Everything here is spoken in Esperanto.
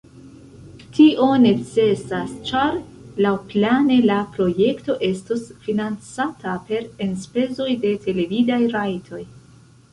Tio necesas, ĉar laŭplane la projekto estos financata per enspezoj de televidaj rajtoj.